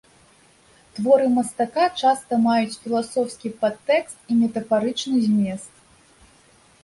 Творы мастака часта маюць філасофскі падтэкст і метафарычны змест.